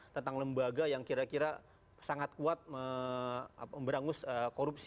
tentang lembaga yang kira kira sangat kuat memberangus korupsi